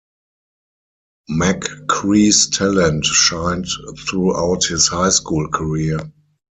McCree's talent shined throughout his high school career.